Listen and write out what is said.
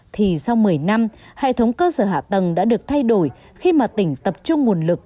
thì sau một mươi năm hệ thống cơ sở hạ tầng đã được thay đổi khi mà tỉnh tập trung nguồn lực